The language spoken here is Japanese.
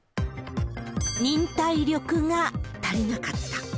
忍耐力が足りなかった。